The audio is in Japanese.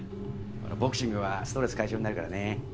ボクシングはストレス解消になるからね。